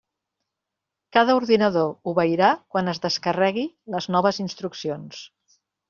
Cada ordinador obeirà quan es descarregui les noves instruccions.